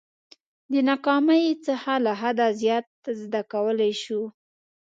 د ناکامۍ څخه له حده زیات زده کولای شو.